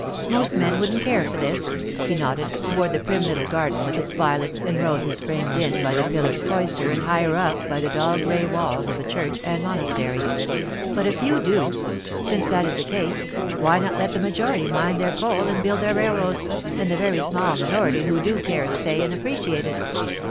'Most men wouldn't care for this,' he nodded toward the prim little garden with its violets and roses framed in by the pillared cloister and higher up by the dull grey walls of the church and monastery. 'But a few do. Since that is the case, why not let the majority mine their coal and build their railroads, and the very small minority who do care stay and appreciate it?